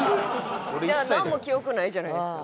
じゃあなんも記憶ないじゃないですか。